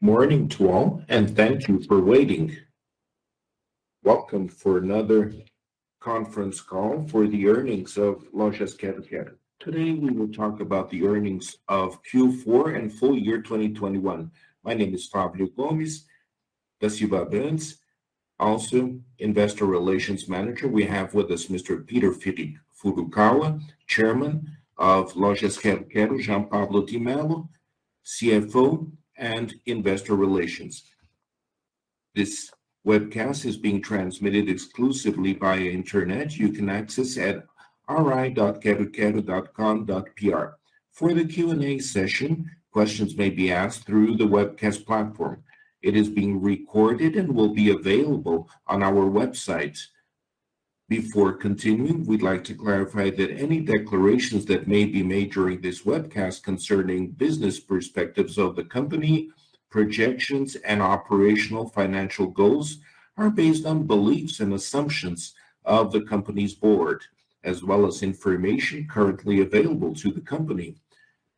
Good morning to all, and thank you for waiting. Welcome to another conference call for the earnings of Lojas Quero-Quero. Today we will talk about the earnings of Q4 and full year 2021. My name is Fábio Gomes da Silva Burns, Investor Relations Manager. We have with us Mr. Peter Furukawa, Chairman of Lojas Quero-Quero, Jean Paulo de Mello, CFO and Investor Relations. This webcast is being transmitted exclusively via internet. You can access at ri.quero-quero.com.br. For the Q&A session, questions may be asked through the webcast platform. It is being recorded and will be available on our website. Before continuing, we'd like to clarify that any declarations that may be made during this webcast concerning business perspectives of the company, projections and operational financial goals are based on beliefs and assumptions of the company's board, as well as information currently available to the company.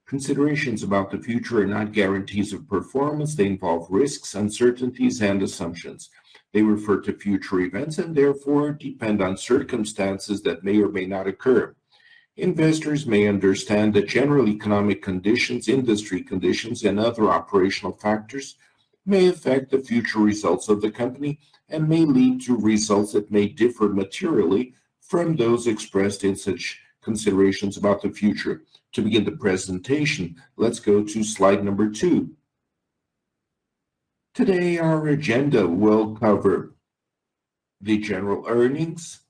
Considerations about the future are not guarantees of performance. They involve risks, uncertainties and assumptions. They refer to future events and therefore depend on circumstances that may or may not occur. Investors may understand that general economic conditions, industry conditions and other operational factors may affect the future results of the company and may lead to results that may differ materially from those expressed in such considerations about the future. To begin the presentation, let's go to Slide 2 Today our agenda will cover the general earnings,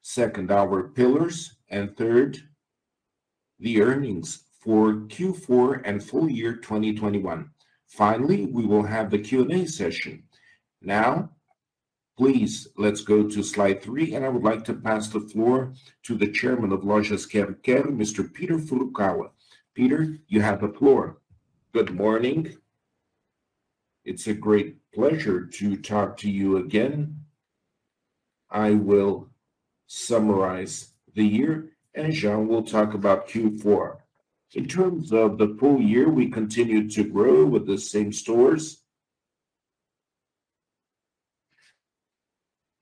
second, our pillars, and third, the earnings for Q4 and full year 2021. Finally, we will have the Q&A session. Now, please let's go to Slide 3, and I would like to pass the floor to the Chairman of Lojas Quero-Quero, Mr. Peter Furukawa. Peter, you have the floor. Good morning. It's a great pleasure to talk to you again. I will summarize the year and Jean will talk about Q4. In terms of the full year, we continued to grow with the same stores.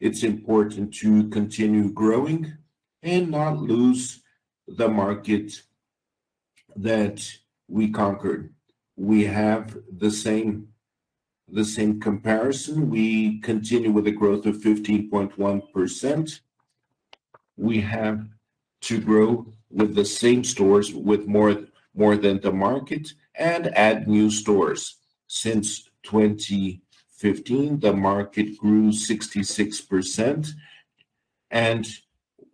It's important to continue growing and not lose the market that we conquered. We have the same comparison. We continue with a growth of 15.1%. We have to grow with the same stores with more than the market and add new stores. Since 2015, the market grew 66% and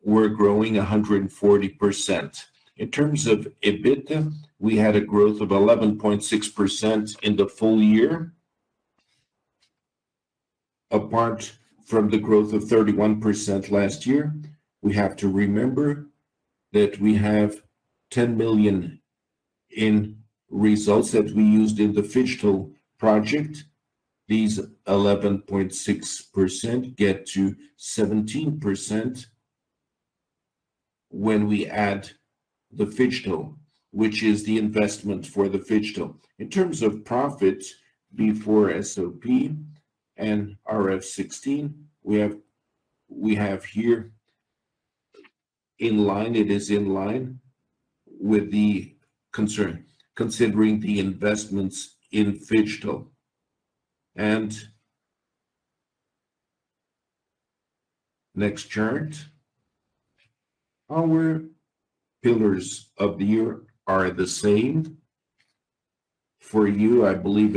we're growing 140%. In terms of EBITDA, we had a growth of 11.6% in the full year. Apart from the growth of 31% last year, we have to remember that we have 10 million in results that we used in the phygital project. These 11.6% get to 17% when we add the phygital, which is the investment for the phygital. In terms of profit before SOP and IFRS 16, we have here in line, it is in line with the consensus, considering the investments in phygital. Next chart. Our pillars of the year are the same for you. I believe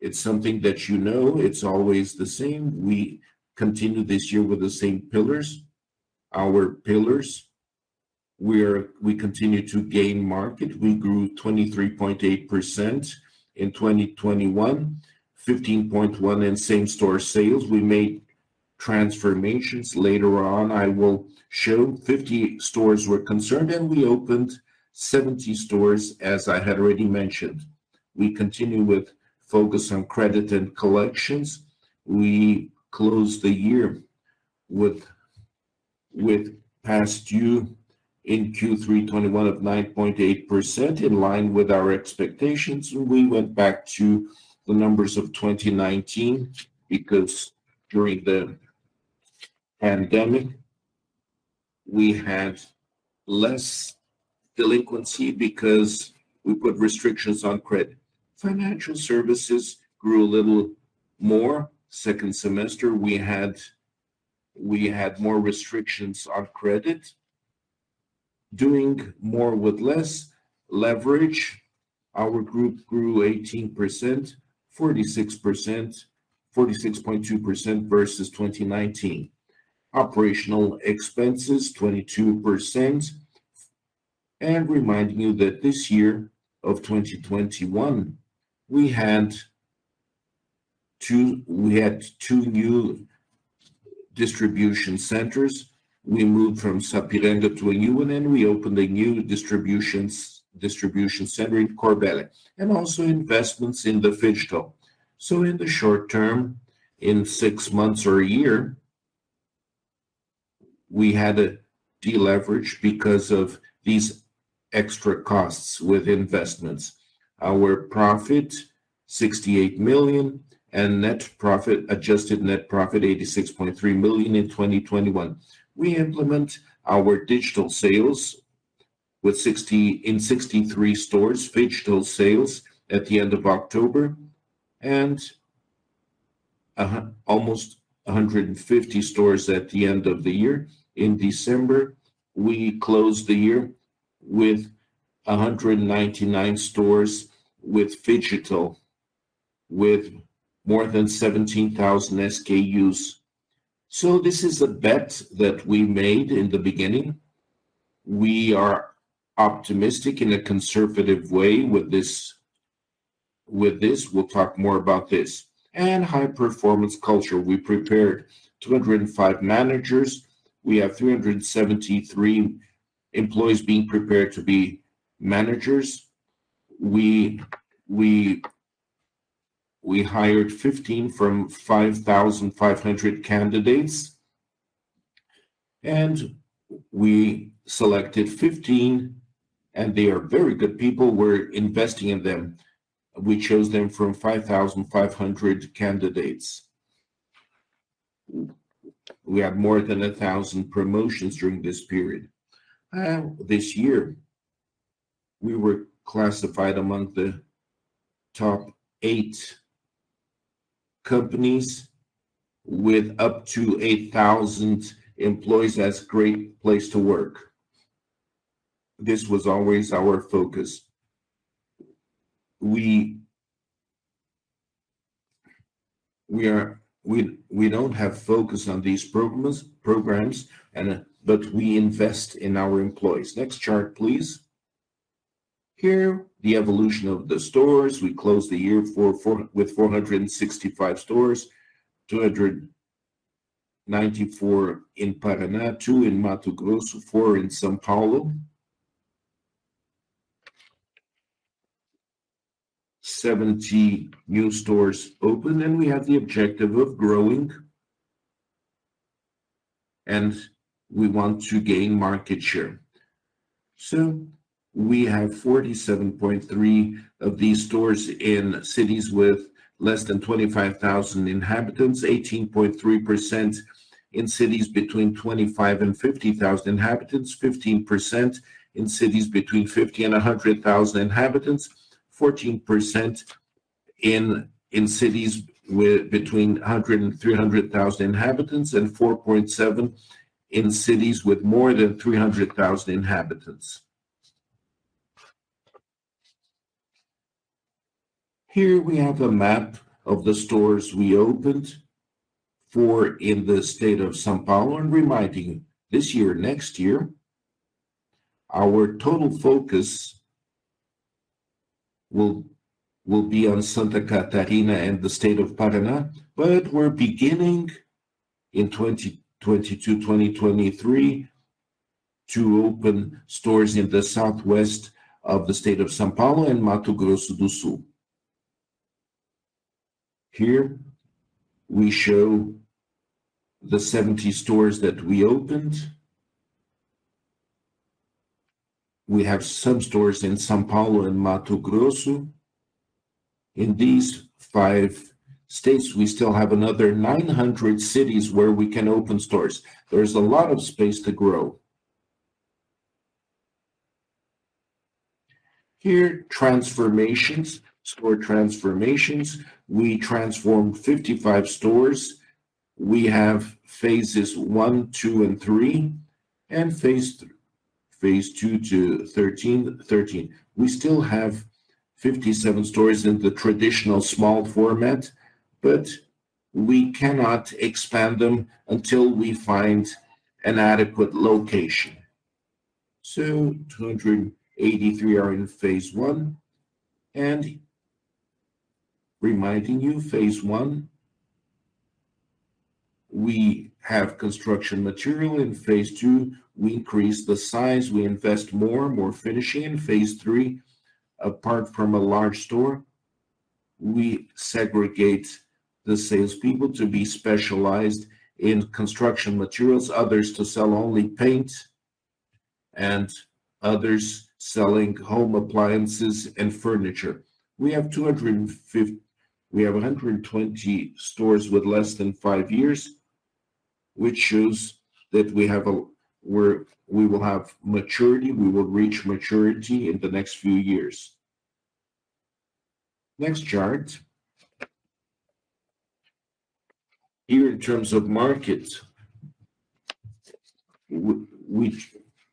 it's something that you know, it's always the same. We continue this year with the same pillars. Our pillars, we continue to gain market. We grew 23.8% in 2021, 15.1% in same store sales. We made transformations later on, I will show 50 stores were converted, and we opened 70 stores as I had already mentioned. We continue with focus on credit and collections. We closed the year with past due in Q3 2021 of 9.8% in line with our expectations. We went back to the numbers of 2019 because during the pandemic we had less delinquency because we put restrictions on credit. Financial services grew a little more second semester. We had more restrictions on credit. Doing more with less leverage. Our group grew 18%, 46%, 46.2% versus 2019. Operational expenses, 22%. Reminding you that this year of 2021 we had two new distribution centers. We moved from Sapiranga to a new one, and we opened a new distribution center in Corbélia, and also investments in the phygital. In the short term, in six months or a year we had to deleverage because of these extra costs with investments. Our profit 68 million and net profit, adjusted net profit 86.3 million in 2021. We implement our digital sales in 63 stores, phygital sales at the end of October and almost 150 stores at the end of the year. In December, we closed the year with 199 stores with phygital, with more than 17,000 SKUs. This is a bet that we made in the beginning. We are optimistic in a conservative way with this. We'll talk more about this. High-performance culture. We prepared 205 managers. We have 373 employees being prepared to be managers. We hired 15 from 5,500 candidates, and we selected 15 and they are very good people. We're investing in them. We chose them from 5,500 candidates. We had more than 1,000 promotions during this period. This year we were classified among the top eight companies with up to 8,000 employees as a great place to work. This was always our focus. We don't have focus on these programs, but we invest in our employees. Next chart, please. Here, the evolution of the stores. We closed the year with 465 stores, 294 in Paraná, 2 in Mato Grosso, 4 in São Paulo. 70 new stores opened, and we have the objective of growing, and we want to gain market share. We have 47.3% of these stores in cities with less than 25,000 inhabitants, 18.3% in cities between 25,000 and 50,000 inhabitants, 15% in cities between 50,000 and 100,000 inhabitants, 14% in cities with between 100,000 and 300,000 inhabitants, and 4.7% in cities with more than 300,000 inhabitants. Here we have a map of the stores we opened, 4 in the state of São Paulo. Reminding this year, next year, our total focus will be on Santa Catarina and the state of Paraná. We're beginning in 2022, 2023 to open stores in the southwest of the state of São Paulo and Mato Grosso do Sul. Here we show the 70 stores that we opened. We have some stores in São Paulo and Mato Grosso. In these five states, we still have another 900 cities where we can open stores. There is a lot of space to grow. Here, transformations, store transformations. We transformed 55 stores. We have phases I, II, and III, and phase II to XIII. We still have 57 stores in the traditional small format, but we cannot expand them until we find an adequate location. 283 are in phase I. Reminding you, phase I, we have construction material. In phase II, we increase the size, we invest more finishing. In phase III, apart from a large store, we segregate the salespeople to be specialized in construction materials, others to sell only paint, and others selling home appliances and furniture. We have 120 stores with less than five years, which shows that we will have maturity. We will reach maturity in the next few years. Next chart. Here in terms of market, we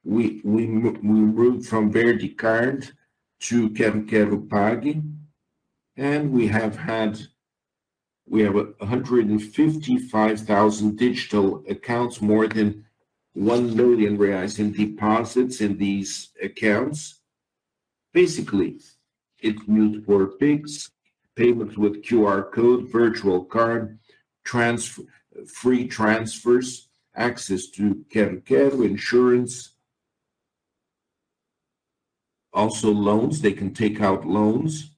moved from Verdecard to Quero-Quero Pag, and we have 155,000 digital accounts, more than 1 million reais in deposits in these accounts. Basically, it's new for Pix, payments with QR code, virtual card, free transfers, access to Quero-Quero insurance. Also loans, they can take out loans.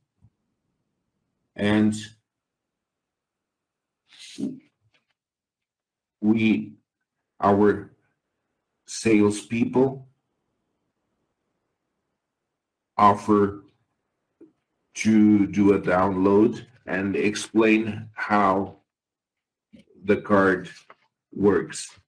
Our salespeople offer to do a download and explain how the card works.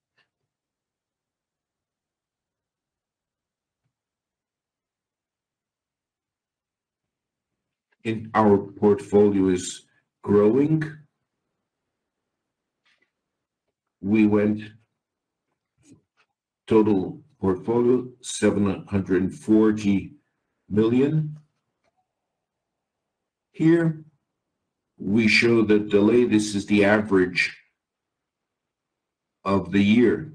Our portfolio is growing. We went total portfolio BRL 740 million. Here we show the delay. This is the average of the year.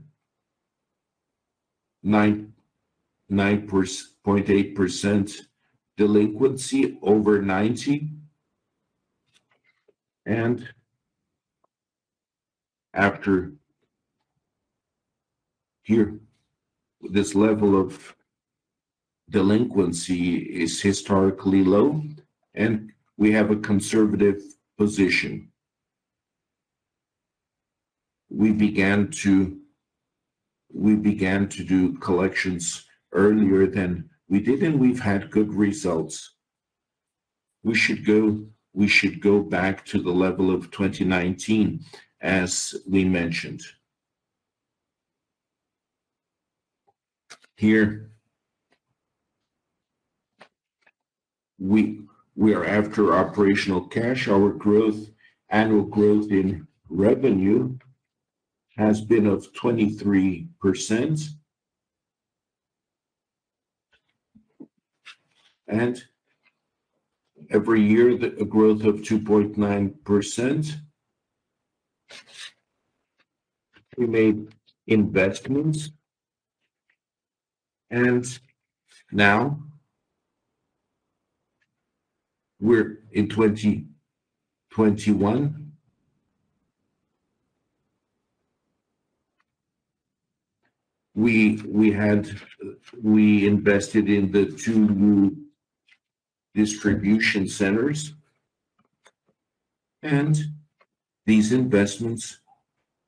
9.8% delinquency over 90. After here, this level of delinquency is historically low, and we have a conservative position. We began to do collections earlier than we did, and we've had good results. We should go back to the level of 2019, as we mentioned. Here, we are after operational cash. Our annual growth in revenue has been 23%. Every year the growth of 2.9%. We made investments. Now we're in 2021. We invested in the two new distribution centers, and these investments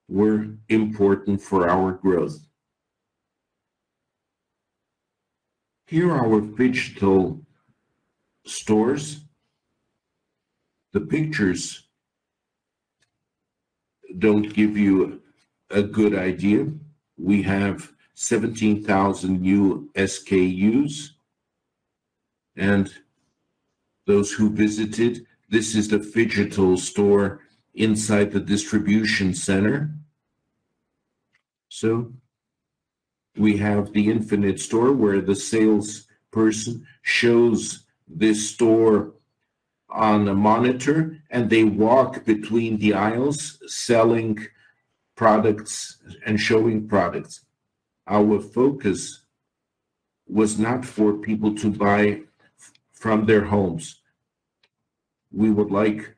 were important for our growth. Here are our phygital stores. The pictures don't give you a good idea. We have 17,000 new SKUs. Those who visited, this is the phygital store inside the distribution center. We have the infinite store, where the salesperson shows this store on the monitor, and they walk between the aisles selling products and showing products. Our focus was not for people to buy from their homes. We would like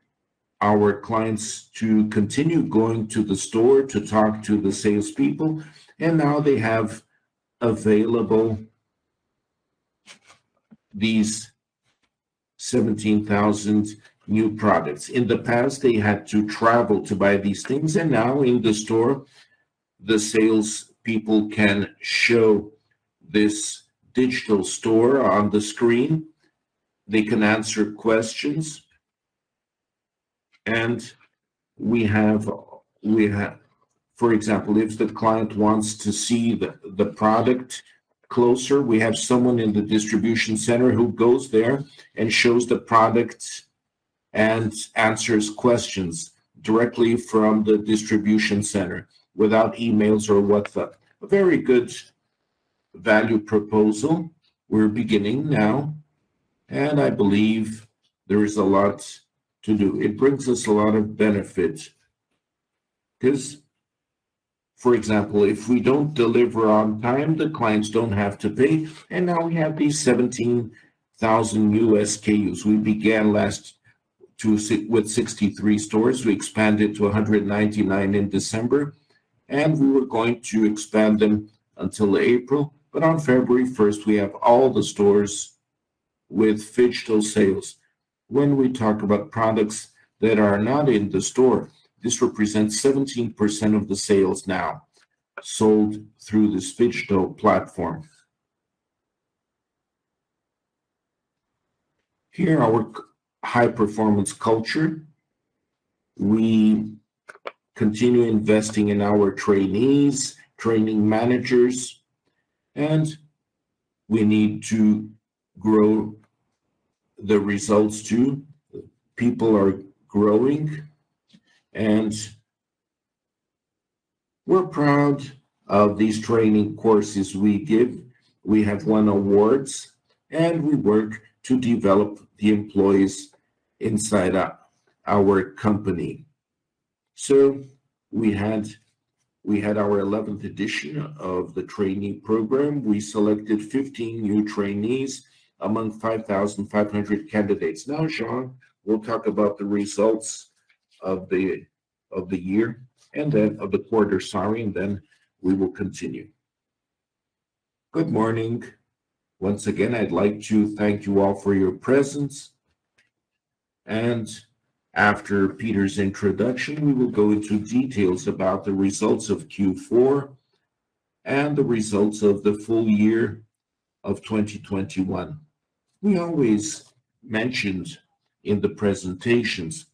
our clients to continue going to the store to talk to the salespeople, and now they have available these 17,000 new products. In the past, they had to travel to buy these things, and now in the store, the salespeople can show this digital store on the screen. They can answer questions. For example, if the client wants to see the product closer, we have someone in the distribution center who goes there and shows the product and answers questions directly from the distribution center without emails or WhatsApp. A very good value proposal. We're beginning now, and I believe there is a lot to do. It brings us a lot of benefits. For example, if we don't deliver on time, the clients don't have to pay. Now we have these 17,000 new SKUs. We began with 63 stores. We expanded to 199 in December, and we were going to expand them until April. On February 1, we have all the stores with phygital sales. When we talk about products that are not in the store, this represents 17% of the sales now sold through this phygital platform. Here, our high-performance culture. We continue investing in our trainees, training managers, and we need to grow the results too. People are growing, and we're proud of these training courses we give. We have won awards, and we work to develop the employees inside our company. We had our 11th edition of the training program. We selected 15 new trainees among 5,500 candidates. Now, Jean will talk about the results of the quarter and then we will continue. Good morning. Once again, I'd like to thank you all for your presence. After Peter's introduction, we will go into details about the results of Q4 and the results of the full year of 2021. We always mentioned in the presentations,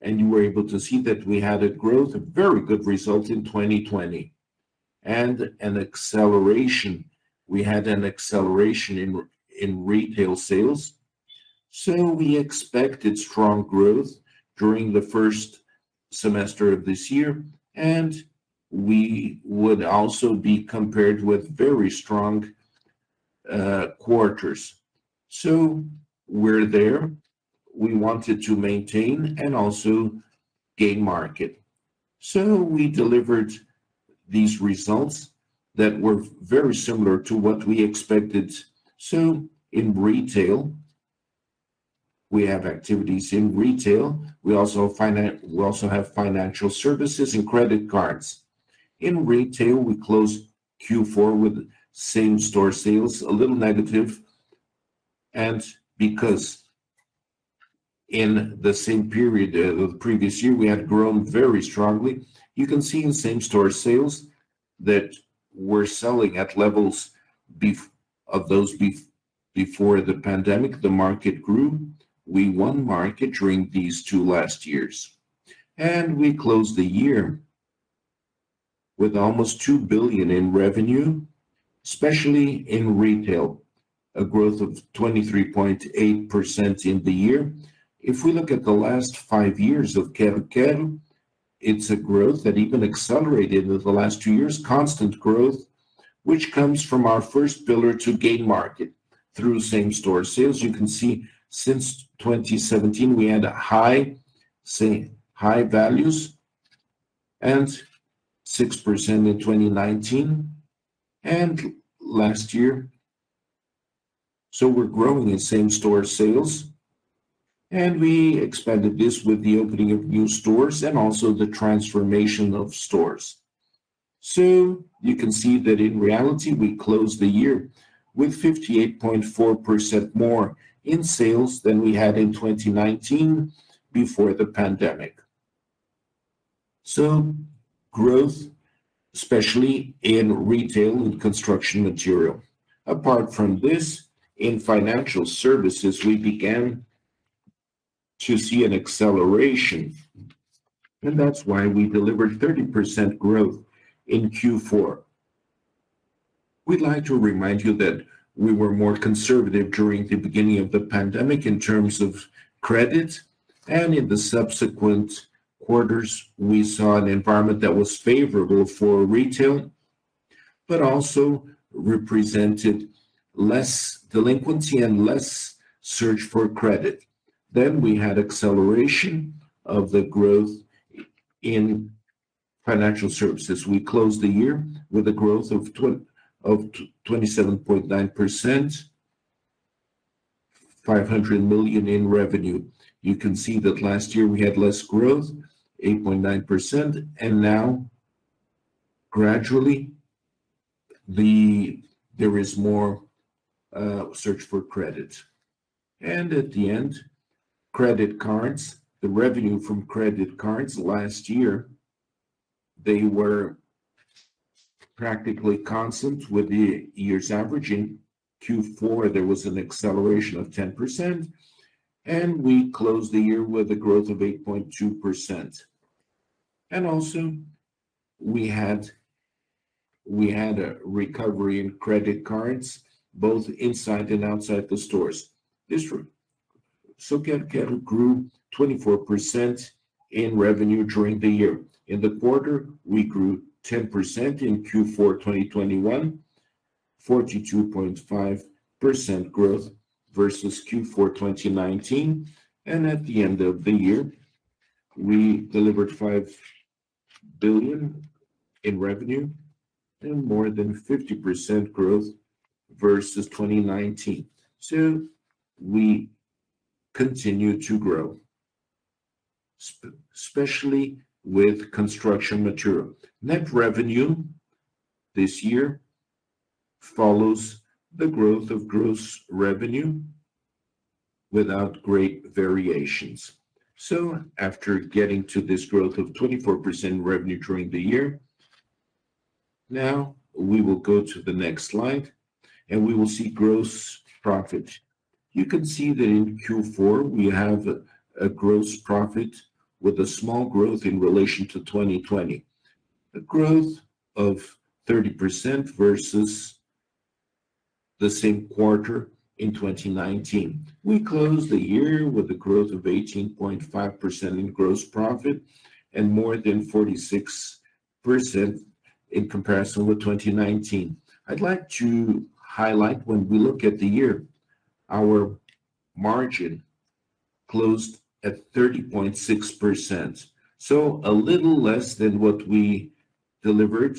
and you were able to see that we had a growth, a very good result in 2020, and an acceleration. We had an acceleration in retail sales, so we expected strong growth during the first semester of this year, and we would also be compared with very strong quarters. We're there. We wanted to maintain and also gain market. We delivered these results that were very similar to what we expected. In retail, we have activities in retail. We also have financial services and credit cards. In retail, we closed Q4 with same store sales a little negative because in the same period of the previous year, we had grown very strongly, you can see in same store sales that we're selling at levels of those before the pandemic, the market grew. We won market during these two last years. We closed the year with almost 2 billion in revenue, especially in retail, a growth of 23.8% in the year. If we look at the last five years of Quero-Quero, it's a growth that even accelerated over the last two years, constant growth, which comes from our first pillar to gain market through same store sales. You can see since 2017 we had high values and 6% in 2019 and last year. We're growing in same store sales, and we expanded this with the opening of new stores and also the transformation of stores. You can see that in reality, we closed the year with 58.4% more in sales than we had in 2019 before the pandemic. Growth, especially in retail and construction material. Apart from this, in financial services, we began to see an acceleration, and that's why we delivered 30% growth in Q4. We'd like to remind you that we were more conservative during the beginning of the pandemic in terms of credit, and in the subsequent quarters we saw an environment that was favorable for retail, but also represented less delinquency and less search for credit. We had acceleration of the growth in financial services. We closed the year with a growth of 27.9%, 500 million in revenue. You can see that last year we had less growth, 8.9%, and now gradually there is more search for credit. At the end, credit cards, the revenue from credit cards last year, they were practically constant with the years averaging. Q4, there was an acceleration of 10%, and we closed the year with a growth of 8.2%. We also had a recovery in credit cards both inside and outside the stores. That's true. Quero-Quero grew 24% in revenue during the year. In the quarter, we grew 10% in Q4 2021, 42.5% growth versus Q4 2019. At the end of the year, we delivered 5 billion in revenue and more than 50% growth versus 2019. We continue to grow, especially with construction material. Net revenue this year follows the growth of gross revenue without great variations. After getting to this growth of 24% revenue during the year, now we will go to the next slide, and we will see gross profit. You can see that in Q4 we have a gross profit with a small growth in relation to 2020, a growth of 30% versus the same quarter in 2019. We closed the year with a growth of 18.5% in gross profit and more than 46% in comparison with 2019. I'd like to highlight when we look at the year, our margin closed at 30.6%, so a little less than what we delivered.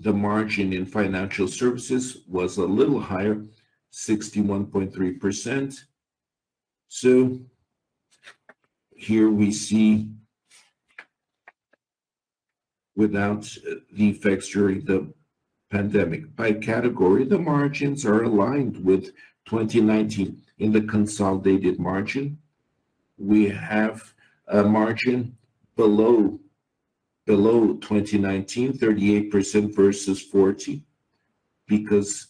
The margin in financial services was a little higher, 61.3%. Here we see without the effects during the pandemic. By category, the margins are aligned with 2019. In the consolidated margin, we have a margin below 2019, 38% versus 40%, because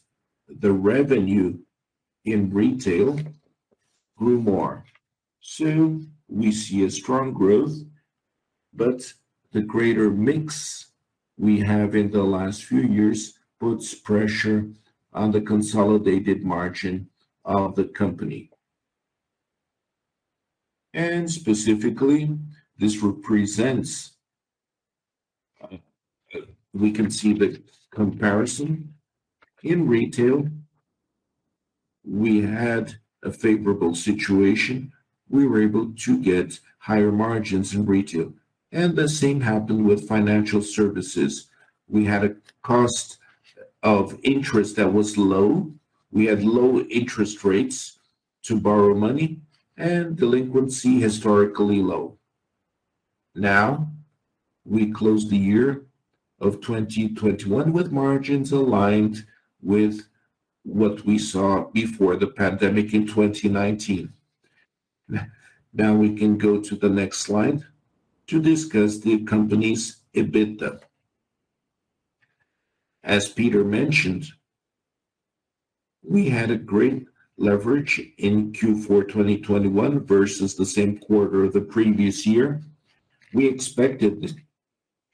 the revenue in retail grew more. We see a strong growth, but the greater mix we have in the last few years puts pressure on the consolidated margin of the company. Specifically, this represents. We can see the comparison. In retail, we had a favorable situation. We were able to get higher margins in retail, and the same happened with financial services. We had a cost of interest that was low. We had low interest rates to borrow money and delinquency historically low. Now, we close the year of 2021 with margins aligned with what we saw before the pandemic in 2019. Now we can go to the next slide to discuss the company's EBITDA. As Peter mentioned, we had a great leverage in Q4 2021 versus the same quarter the previous year. We expected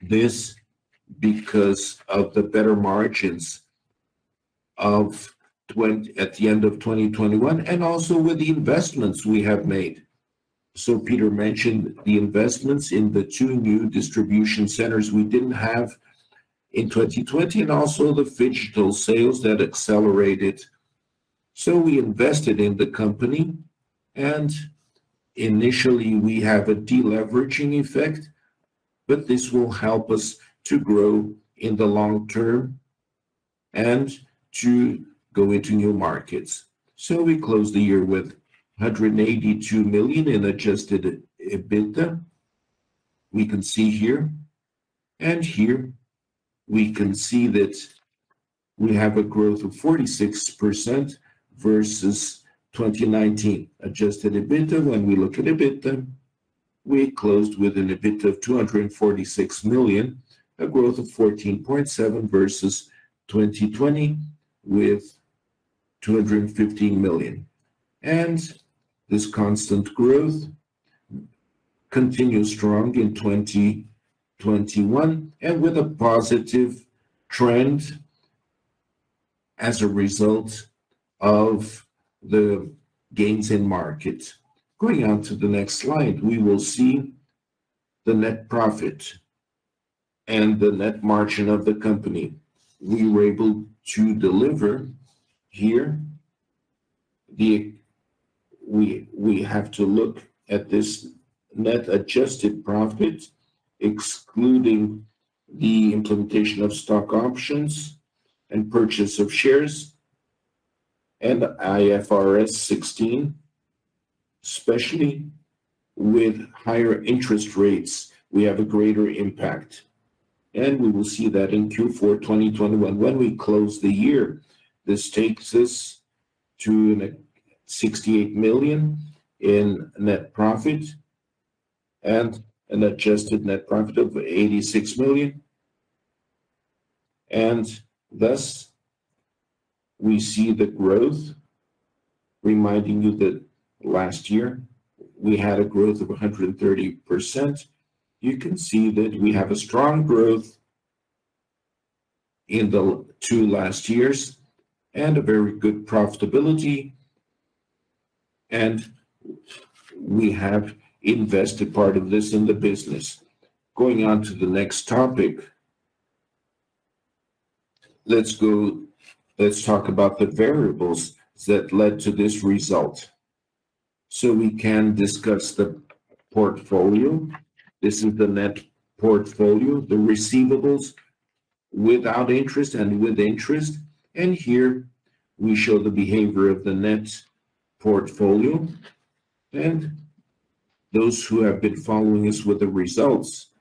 this because of the better margins at the end of 2021 and also with the investments we have made. Peter mentioned the investments in the two new distribution centers we didn't have in 2020 and also the phygital sales that accelerated. We invested in the company, and initially, we have a deleveraging effect, but this will help us to grow in the long term and to go into new markets. We closed the year with 182 million in adjusted EBITDA. We can see here. Here we can see that we have a growth of 46% versus 2019. Adjusted EBITDA, when we look at EBITDA, we closed with an EBITDA of 246 million, a growth of 14.7% versus 2020 with 215 million. This constant growth continued strong in 2021 and with a positive trend as a result of the gains in market. Going on to the next slide, we will see the net profit and the net margin of the company we were able to deliver here. We have to look at this net adjusted profit, excluding the implementation of stock options and purchase of shares and IFRS 16, especially with higher interest rates, we have a greater impact. We will see that in Q4 2021. When we close the year, this takes us to 68 million in net profit and an adjusted net profit of 86 million. Thus we see the growth, reminding you that last year we had a growth of 130%. You can see that we have a strong growth in the two last years and a very good profitability, and we have invested part of this in the business. Going on to the next topic, let's talk about the variables that led to this result. We can discuss the portfolio. This is the net portfolio, the receivables without interest and with interest. Here we show the behavior of the net portfolio. Those who have been following us with the results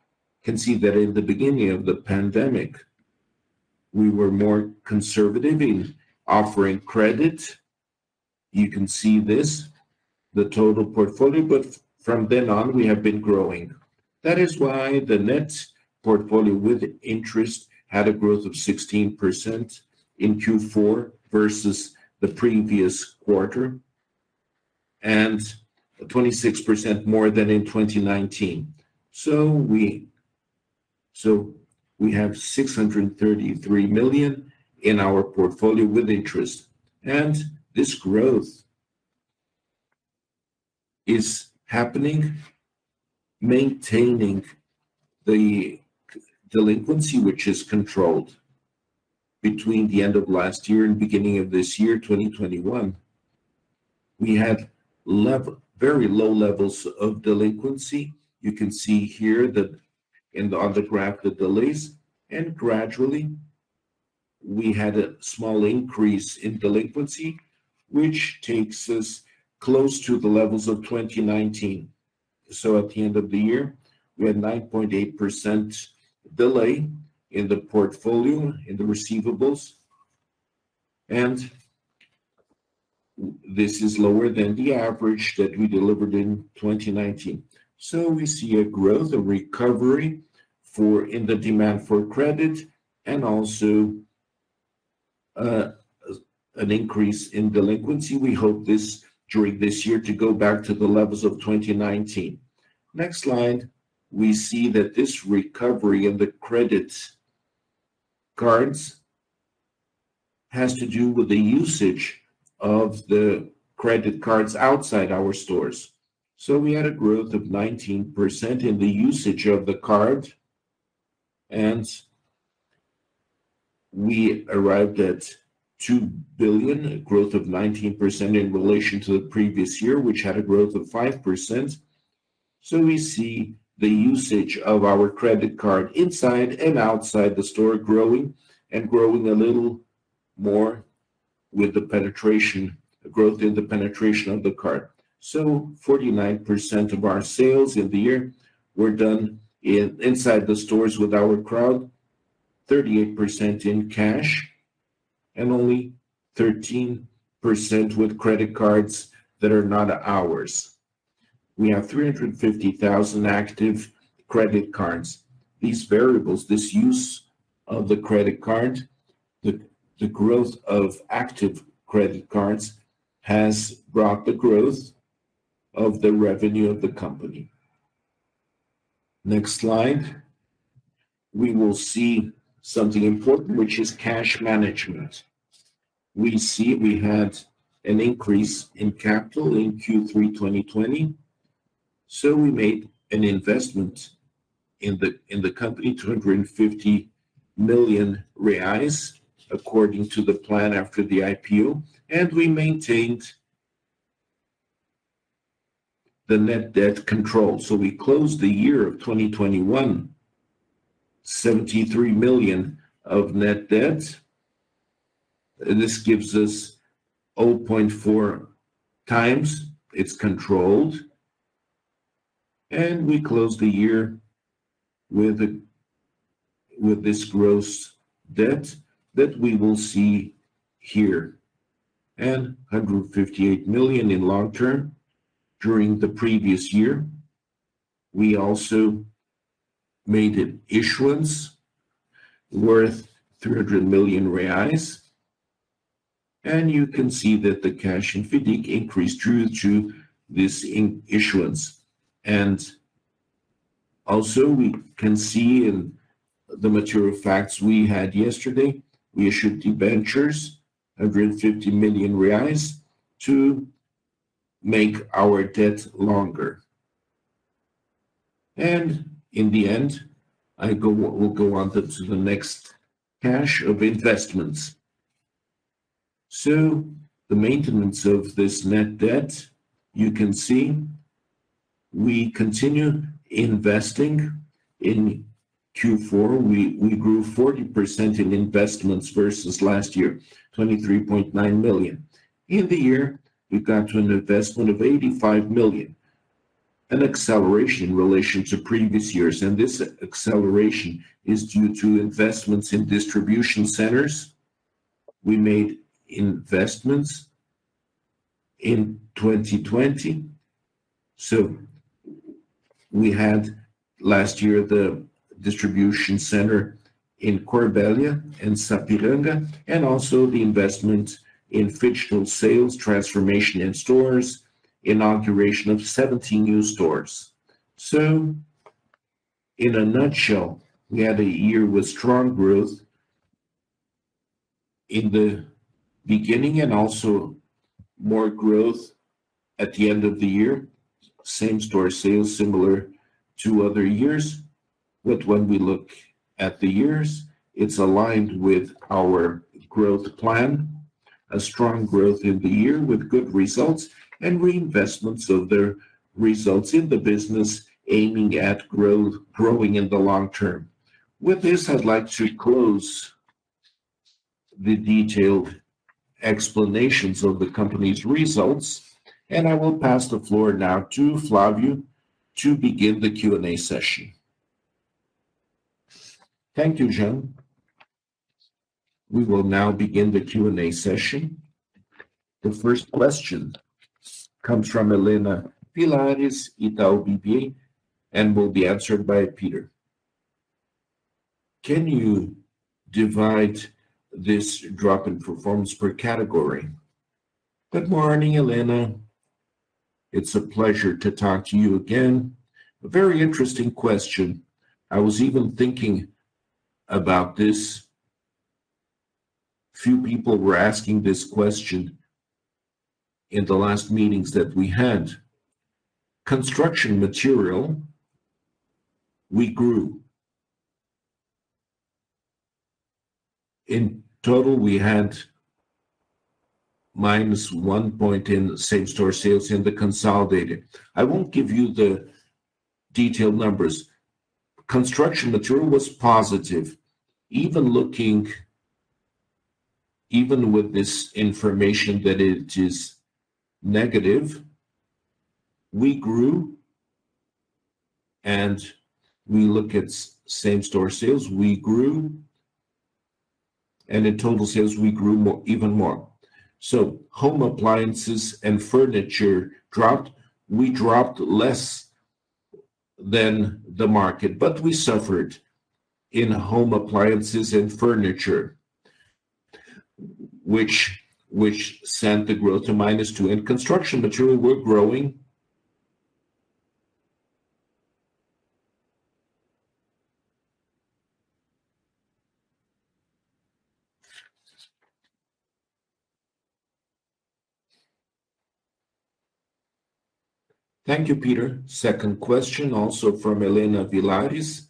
can see that in the beginning of the pandemic, we were more conservative in offering credit. You can see this, the total portfolio, but from then on, we have been growing. That is why the net portfolio with interest had a growth of 16% in Q4 versus the previous quarter and 26% more than in 2019. We have 633 million in our portfolio with interest. This growth is happening, maintaining the delinquency, which is controlled between the end of last year and the beginning of this year, 2021. We had very low levels of delinquency. You can see here that in the other graph, the delays, and gradually we had a small increase in delinquency, which takes us close to the levels of 2019. At the end of the year, we had 9.8% delay in the portfolio, in the receivables, and this is lower than the average that we delivered in 2019. We see a growth, a recovery in the demand for credit and also an increase in delinquency. We hope this during this year to go back to the levels of 2019. Next slide, we see that this recovery in the credit cards has to do with the usage of the credit cards outside our stores. We had a growth of 19% in the usage of the card, and we arrived at 2 billion, a growth of 19% in relation to the previous year, which had a growth of 5%. We see the usage of our credit card inside and outside the store growing and growing a little more with the penetration, growth in the penetration of the card. 49% of our sales in the year were done in the stores with our card, 38% in cash, and only 13% with credit cards that are not ours. We have 350,000 active credit cards. These variables, this use of the credit card, the growth of active credit cards has brought the growth of the revenue of the company. Next slide, we will see something important, which is cash management. We see we had an increase in capital in Q3 2020, so we made an investment in the company, 250 million reais according to the plan after the IPO. We maintained the net debt control. We closed the year of 2021, 73 million of net debt. This gives us 0.4 times it's controlled. We closed the year with this gross debt that we will see here, 158 million in long term during the previous year. We also made an issuance worth 300 million reais. You can see that the cash in FIDC increased due to this issuance. Also we can see in the material facts we had yesterday, we issued debentures, 150 million reais to make our debt longer. In the end, we'll go on to the next CapEx. The maintenance of this net debt, you can see we continue investing. In Q4, we grew 40% in investments versus last year, 23.9 million. In the year, we got to an investment of 85 million, an acceleration in relation to previous years. This acceleration is due to investments in distribution centers. We made investments in 2020, so we had last year the distribution center in Corbélia and Sapiranga, and also the investment in phygital sales transformation in stores, inauguration of 17 new stores. In a nutshell, we had a year with strong growth in the beginning and also more growth at the end of the year. Same store sales similar to other years. When we look at the years, it's aligned with our growth plan, a strong growth in the year with good results and reinvestments of the results in the business aiming at growth, growing in the long term. With this, I'd like to close the detailed explanations of the company's results, and I will pass the floor now to Flavio to begin the Q&A session. Thank you, Jean. We will now begin the Q&A session. The first question comes from Helena Villares, Itaú BBA, and will be answered by Peter. Can you divide this drop in performance per category? Good morning, Helena. It's a pleasure to talk to you again. A very interesting question. I was even thinking about this. Few people were asking this question in the last meetings that we had. Construction material, we grew. In total, we had -1 point in same-store sales in the consolidated. I won't give you the detailed numbers. Construction material was positive. Even looking, even with this information that it is negative, we grew, and we look at same-store sales, we grew, and in total sales, we grew more, even more. Home appliances and furniture dropped. We dropped less than the market, but we suffered in home appliances and furniture, which sent the growth to -2. In construction material, we're growing. Thank you, Peter. Second question, also from Helena Villares.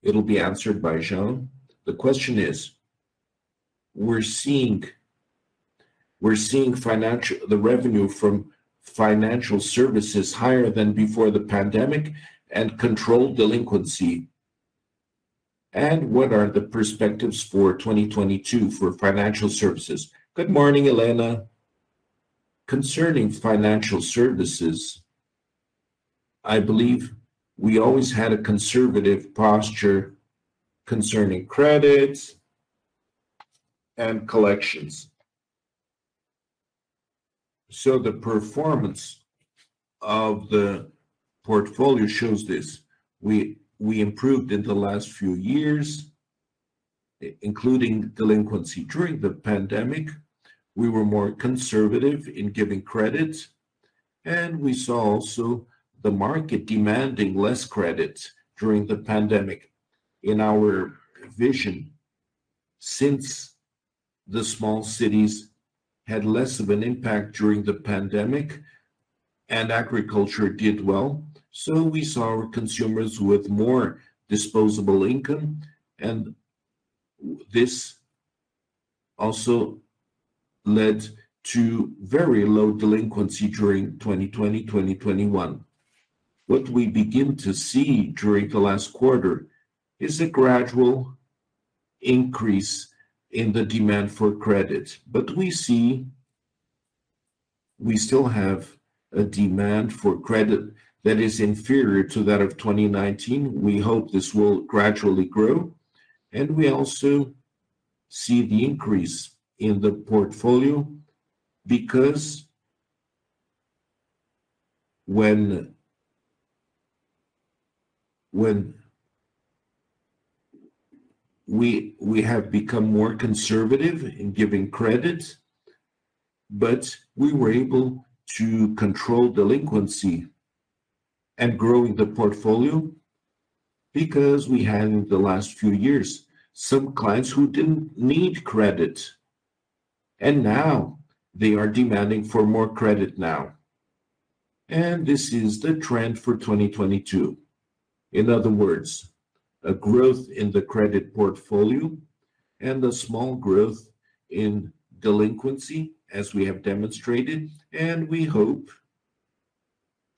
It'll be answered by Jean. The question is, we're seeing the revenue from financial services higher than before the pandemic and controlled delinquency, and what are the perspectives for 2022 for financial services? Good morning, Helena. Concerning financial services, I believe we always had a conservative posture concerning credits and collections. The performance of the portfolio shows this. We improved in the last few years, including delinquency. During the pandemic, we were more conservative in giving credits, and we saw also the market demanding less credits during the pandemic. In our vision, since the small cities had less of an impact during the pandemic and agriculture did well, so we saw consumers with more disposable income, and this also led to very low delinquency during 2020, 2021. What we begin to see during the last quarter is a gradual increase in the demand for credit, but we see we still have a demand for credit that is inferior to that of 2019. We hope this will gradually grow, and we also see the increase in the portfolio because when we have become more conservative in giving credits, but we were able to control delinquency and growing the portfolio because we had in the last few years some clients who didn't need credit, and now they are demanding for more credit now. This is the trend for 2022. In other words, a growth in the credit portfolio and a small growth in delinquency as we have demonstrated, and we hope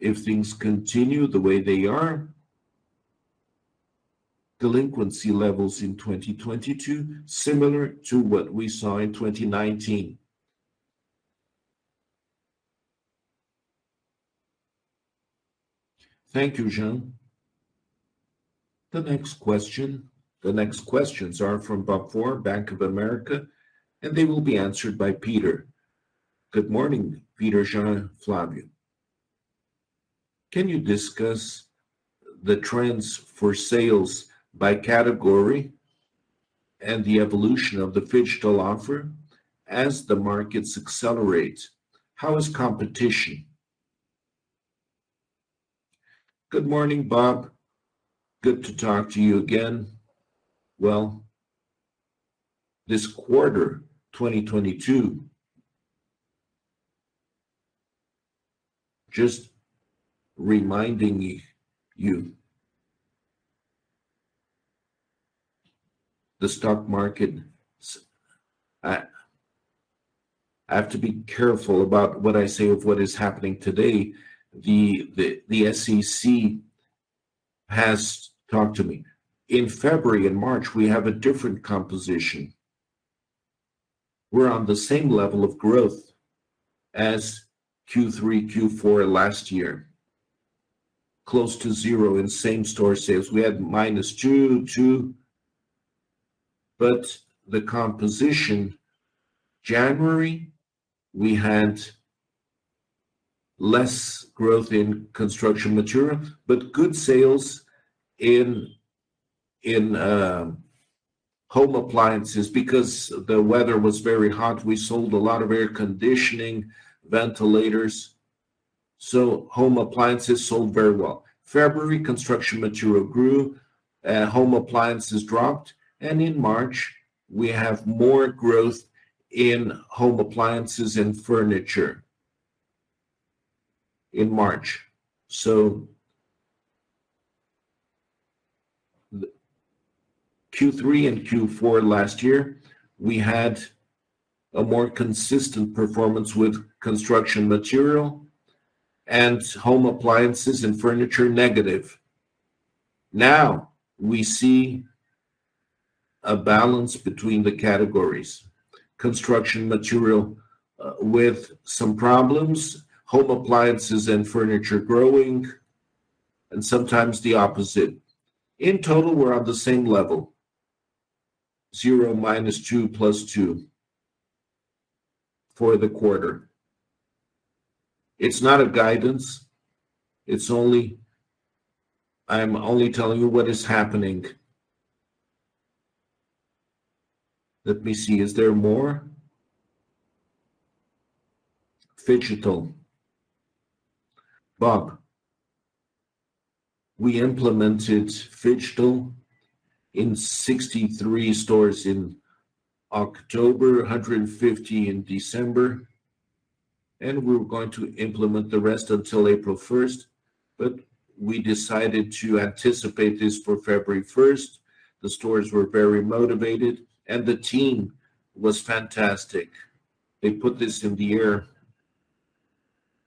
if things continue the way they are, delinquency levels in 2022 similar to what we saw in 2019. Thank you, Jean. The next question, the next questions are from Bob Ford, Bank of America, and they will be answered by Peter. Good morning, Peter, Jean, Flavio. Can you discuss the trends for sales by category and the evolution of the phygital offer as the markets accelerate? How is competition? Good morning, Bob. Good to talk to you again. Well, this quarter, 2022, just reminding you, the stock market, I have to be careful about what I say about what is happening today. The SEC has talked to me. In February and March, we have a different composition. We're on the same level of growth as Q3, Q4 last year, close to 0% in same-store sales. We had -2.2%, but the composition, January we had less growth in construction material, but good sales in home appliances because the weather was very hot. We sold a lot of air conditioning ventilators, so home appliances sold very well. In February, construction material grew and home appliances dropped, and in March, we have more growth in home appliances and furniture. In March. The Q3 and Q4 last year, we had a more consistent performance with construction material and home appliances and furniture negative. Now we see a balance between the categories. Construction material with some problems, home appliances and furniture growing, and sometimes the opposite. In total, we're on the same level, 0 - 2 + 2 for the quarter. It's not a guidance, it's only. I'm only telling you what is happening. Let me see. Is there more? Phygital. Bob, we implemented phygital in 63 stores in October, 150 in December, and we were going to implement the rest until April 1, but we decided to anticipate this for February 1. The stores were very motivated, and the team was fantastic. They put this in the air.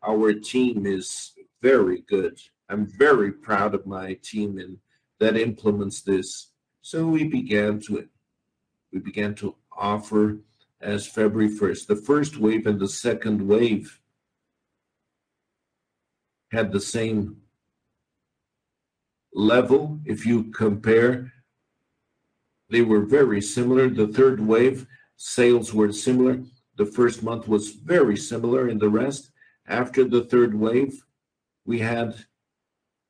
Our team is very good. I'm very proud of my team and that implements this. We began to offer as February first. The first wave and the second wave had the same level. If you compare, they were very similar. The third wave, sales were similar. The first month was very similar in the rest. After the third wave, we had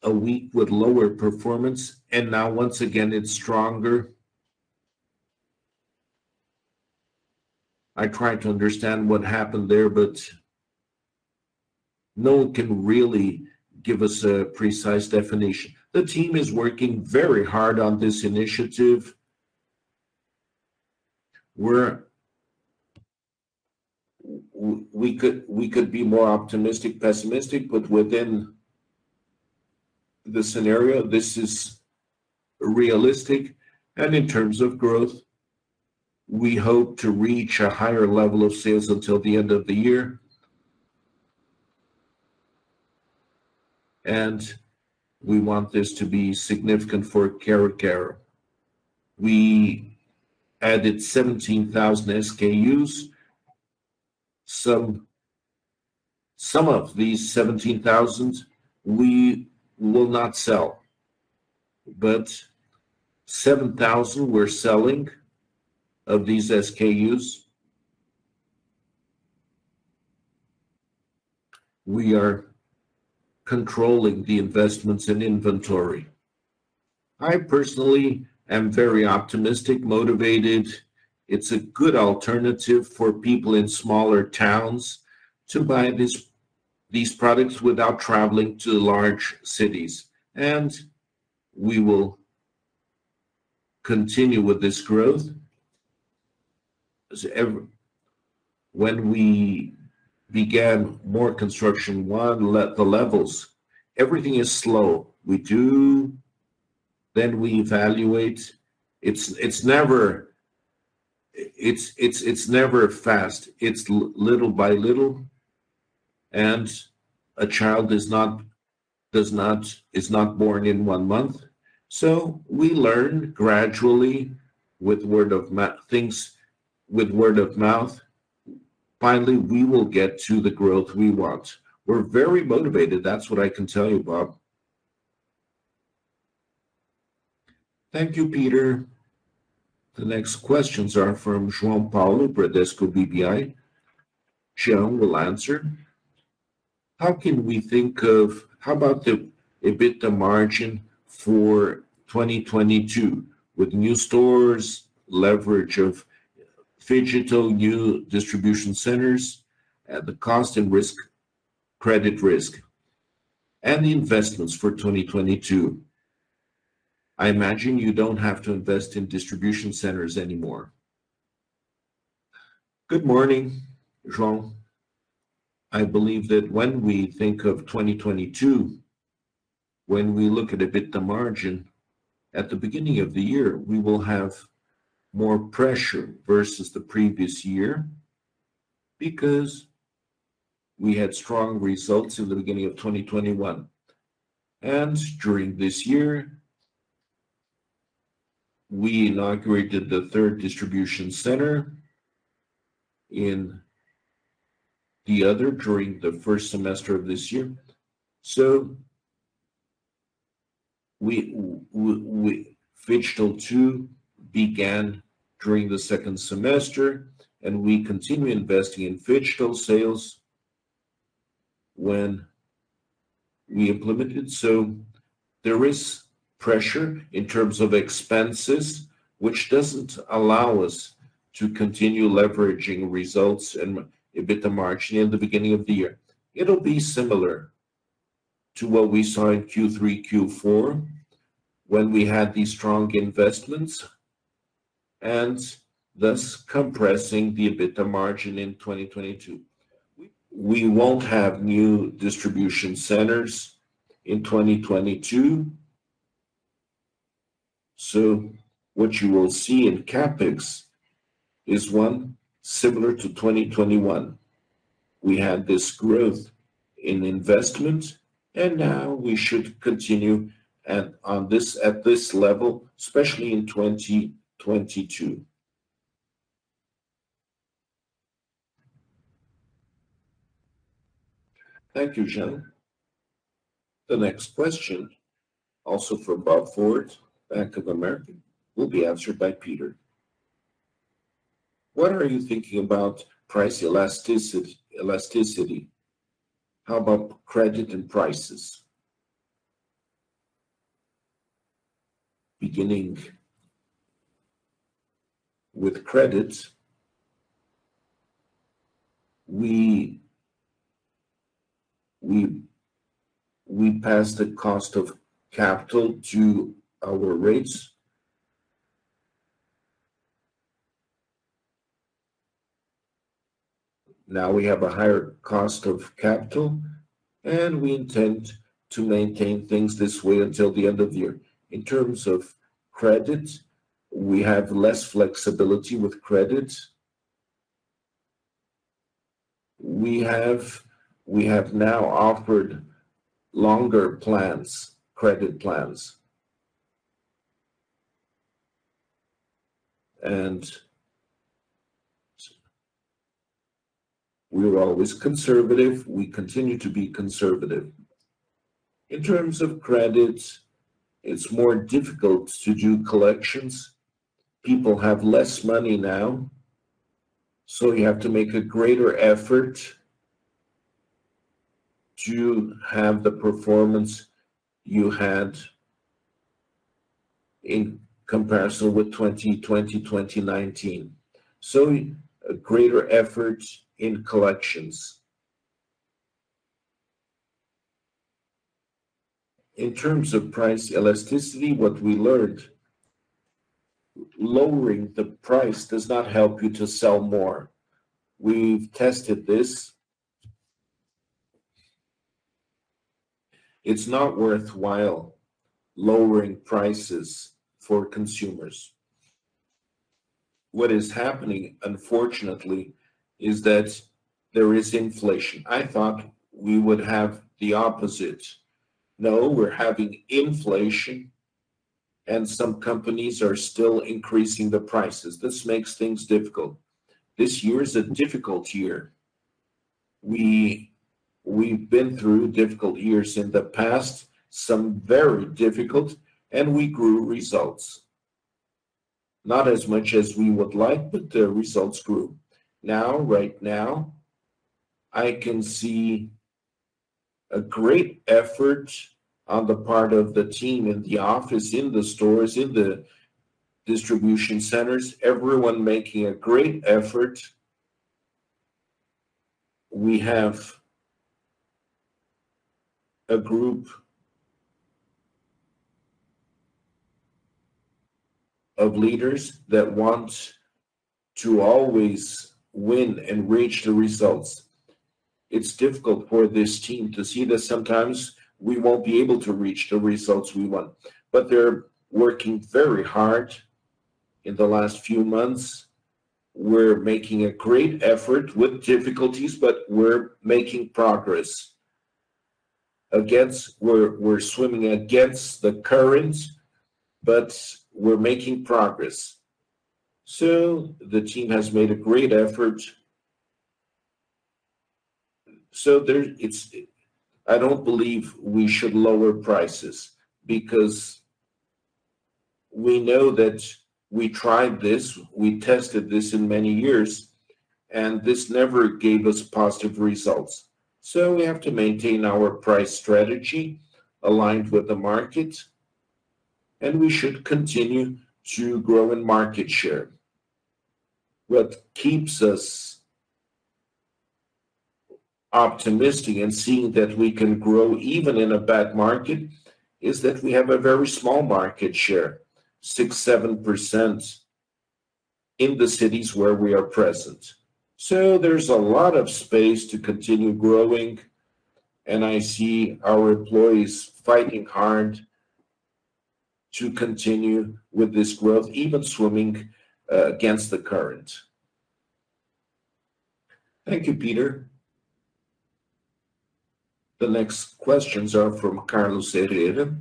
a week with lower performance, and now once again, it's stronger. I tried to understand what happened there, but no one can really give us a precise definition. The team is working very hard on this initiative. We could be more optimistic, pessimistic, but within the scenario, this is realistic. In terms of growth, we hope to reach a higher level of sales until the end of the year. We want this to be significant for Quero-Quero. We added 17,000 SKUs. Some of these 17,000 we will not sell, but 7,000 we're selling of these SKUs. We are controlling the investments in inventory. I personally am very optimistic, motivated. It's a good alternative for people in smaller towns to buy these products without traveling to large cities, and we will continue with this growth. When we began more construction, we'll let the levels. Everything is slow. We do, then we evaluate. It's never fast. It's little by little, and a child is not born in one month. We learn gradually with word of mouth things, with word of mouth. Finally, we will get to the growth we want. We're very motivated. That's what I can tell you, Bob. Thank you, Peter. The next questions are from Jean Paulo, Bradesco BBI. Jean will answer. How about the EBITDA margin for 2022 with new stores, leverage of phygital new distribution centers at the cost and risk, credit risk, and the investments for 2022? I imagine you don't have to invest in distribution centers anymore. Good morning, Jean. I believe that when we think of 2022, when we look at EBITDA margin, at the beginning of the year, we will have more pressure versus the previous year because we had strong results in the beginning of 2021. During this year, we inaugurated the third distribution center in the other during the first semester of this year. Phygital too began during the second semester, and we continue investing in phygital sales when we implement it. There is pressure in terms of expenses, which doesn't allow us to continue leveraging results and EBITDA margin in the beginning of the year. It'll be similar to what we saw in Q3, Q4 when we had these strong investments and thus compressing the EBITDA margin in 2022. We won't have new distribution centers in 2022. What you will see in CapEx is one similar to 2021. We had this growth in investment, and now we should continue at this level, especially in 2022. Thank you, Jean. The next question, also from Bob Ford, Bank of America, will be answered by Peter. What are you thinking about price elasticity? How about credit and prices? Beginning with credit, we pass the cost of capital to our rates. Now we have a higher cost of capital, and we intend to maintain things this way until the end of the year. In terms of credit, we have less flexibility with credit. We have now offered longer plans, credit plans. We were always conservative, we continue to be conservative. In terms of credit, it's more difficult to do collections. People have less money now, so you have to make a greater effort to have the performance you had in comparison with 2020, 2019. A greater effort in collections. In terms of price elasticity, what we learned, lowering the price does not help you to sell more. We've tested this. It's not worthwhile lowering prices for consumers. What is happening, unfortunately, is that there is inflation. I thought we would have the opposite. No, we're having inflation, and some companies are still increasing the prices. This makes things difficult. This year is a difficult year. We, we've been through difficult years in the past, some very difficult, and we grew results. Not as much as we would like, but the results grew. Now, right now, I can see a great effort on the part of the team in the office, in the stores, in the distribution centers, everyone making a great effort. We have a group of leaders that want to always win and reach the results. It's difficult for this team to see that sometimes we won't be able to reach the results we want, but they're working very hard in the last few months. We're making a great effort with difficulties, but we're making progress. We're swimming against the current, but we're making progress. The team has made a great effort. I don't believe we should lower prices because we know that we tried this, we tested this in many years, and this never gave us positive results. We have to maintain our price strategy aligned with the market, and we should continue to grow in market share. What keeps us optimistic and seeing that we can grow even in a bad market is that we have a very small market share, 6%-7% in the cities where we are present. There's a lot of space to continue growing, and I see our employees fighting hard to continue with this growth, even swimming against the current. Thank you, Peter. The next questions are from Carlos Herrera,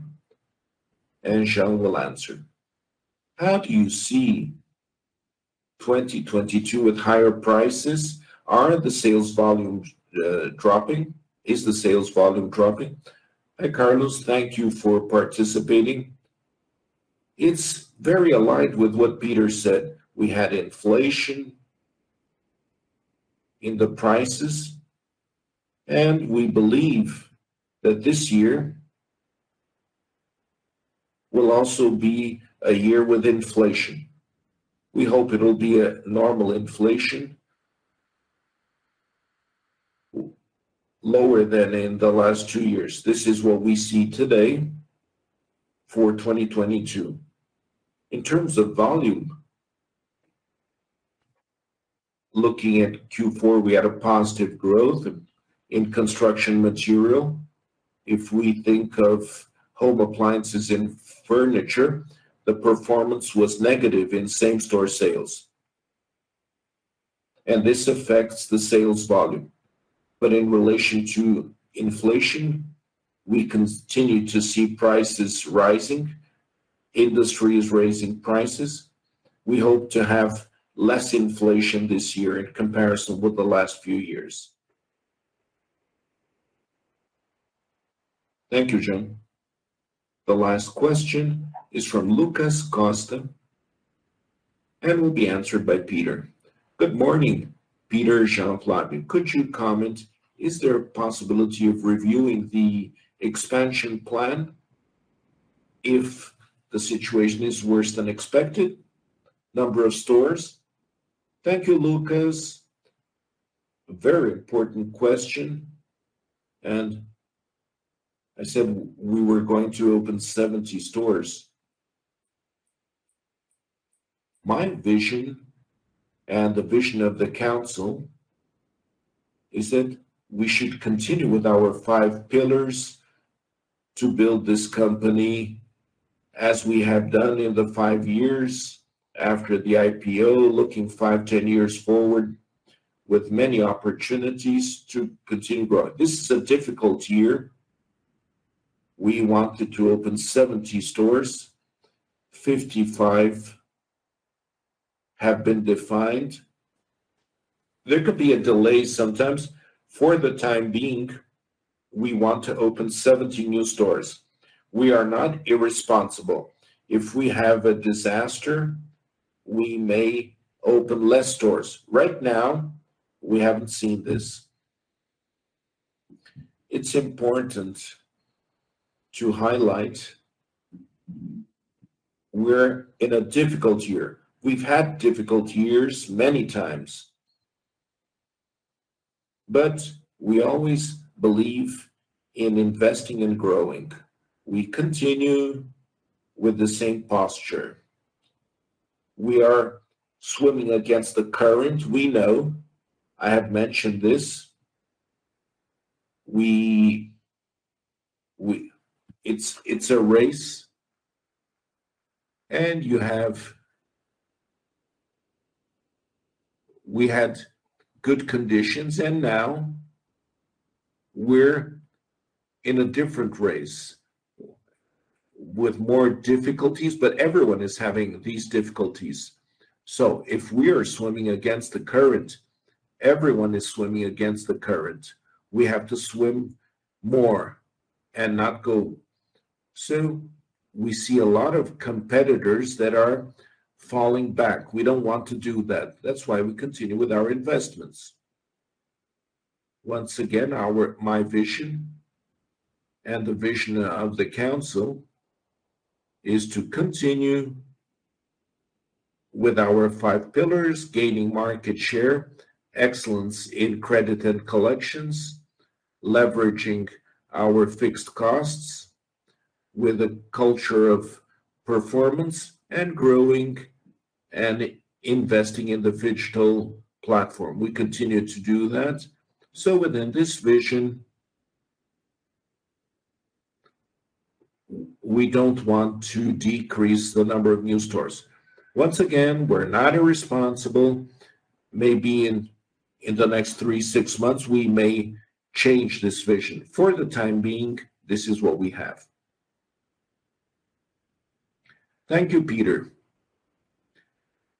and Jean will answer. How do you see 2022 with higher prices? Are the sales volumes dropping? Is the sales volume dropping? Hi, Carlos, thank you for participating. It's very aligned with what Peter said. We had inflation in the prices, and we believe that this year will also be a year with inflation. We hope it will be a normal inflation lower than in the last two years. This is what we see today for 2022. In terms of volume, looking at Q4, we had a positive growth in construction material. If we think of home appliances and furniture, the performance was negative in same-store sales. This affects the sales volume. In relation to inflation, we continue to see prices rising. Industry is raising prices. We hope to have less inflation this year in comparison with the last few years. Thank you, Jean. The last question is from Lucas Costa and will be answered by Peter. Good morning, Peter, Jean, Fabio. Could you comment, is there a possibility of reviewing the expansion plan if the situation is worse than expected, number of stores? Thank you, Lucas. Very important question. I said we were going to open 70 stores. My vision and the vision of the council is that we should continue with our five pillars to build this company as we have done in the five years after the IPO, looking five, 10 years forward with many opportunities to continue growing. This is a difficult year. We wanted to open 70 stores. 55 have been defined. There could be a delay sometimes. For the time being, we want to open 17 new stores. We are not irresponsible. If we have a disaster, we may open less stores. Right now, we haven't seen this. It's important to highlight we're in a difficult year. We've had difficult years many times but we always believe in investing and growing. We continue with the same posture. We are swimming against the current, we know. I have mentioned this. We had good conditions and now we're in a different race with more difficulties, but everyone is having these difficulties. If we are swimming against the current, everyone is swimming against the current. We have to swim more and not go. We see a lot of competitors that are falling back. We don't want to do that. That's why we continue with our investments. Once again, my vision and the vision of the council is to continue with our five pillars, gaining market share, excellence in credit and collections, leveraging our fixed costs with a culture of performance and growing and investing in the digital platform. We continue to do that. Within this vision, we don't want to decrease the number of new stores. Once again, we're not irresponsible. Maybe in the next three to six months, we may change this vision. For the time being, this is what we have. Thank you, Peter.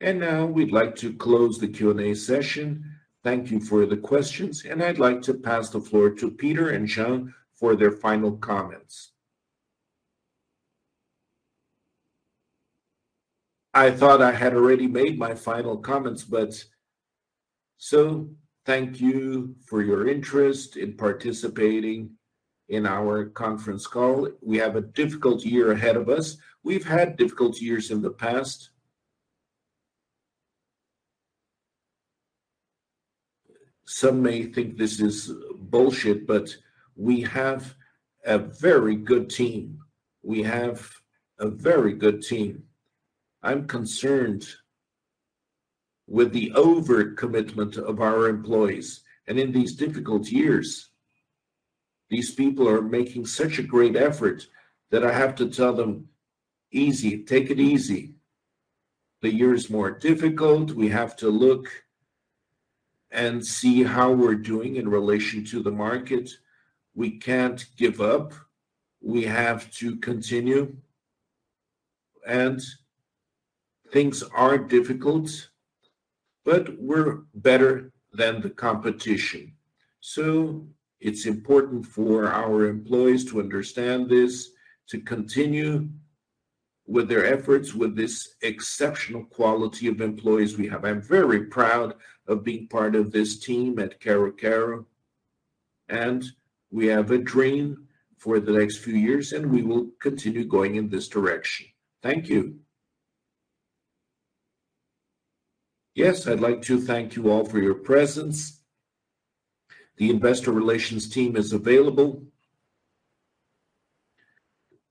Now we'd like to close the Q&A session. Thank you for the questions. I'd like to pass the floor to Peter and Jean Paulo for their final comments. I thought I had already made my final comments, but so thank you for your interest in participating in our conference call. We have a difficult year ahead of us. We've had difficult years in the past. Some may think this is bullshit, but we have a very good team. I'm concerned with the overcommitment of our employees. In these difficult years, these people are making such a great effort that I have to tell them, "Easy, take it easy." The year is more difficult. We have to look and see how we're doing in relation to the market. We can't give up. We have to continue and things are difficult, but we're better than the competition. It's important for our employees to understand this, to continue with their efforts with this exceptional quality of employees we have. I'm very proud of being part of this team at Quero-Quero and we have a dream for the next few years and we will continue going in this direction. Thank you. Yes, I'd like to thank you all for your presence. The investor relations team is available.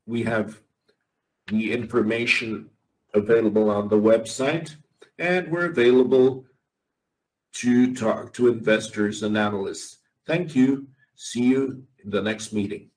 We have the information available on the website and we're available to talk to investors and analysts. Thank you. See you in the next meeting.